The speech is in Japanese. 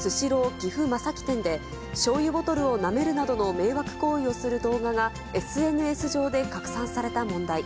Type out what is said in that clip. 岐阜正木店で、しょうゆボトルをなめるなどの迷惑行為をする動画がＳＮＳ上で拡散された問題。